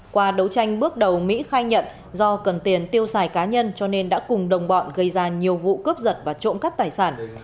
qua đấu tranh bước đầu mỹ khai nhận do cần tiền tiêu xài cá nhân cho nên đã cùng đồng bọn gây ra nhiều vụ cướp giật và trộm cắp tài sản